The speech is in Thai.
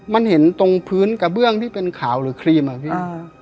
มันเห็นตรงพื้นกระเบื้องที่เป็นขาวหรือครีมอะพี่